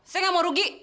saya gak mau rugi